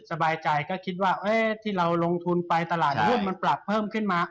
สบายใจก็คิดว่าที่เราลงทุนไปตลาดหุ้นมันปรับเพิ่มขึ้นมา